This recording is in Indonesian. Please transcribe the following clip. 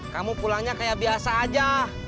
kamu pulangnya kayak biasa aja